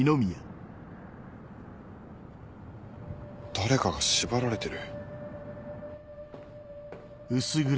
誰かが縛られてる。